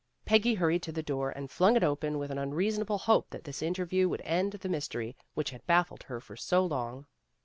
Peggy hurried to the door, and flung it open with an unreasonable hope that this interview would end the mystery which had baffled her for so long.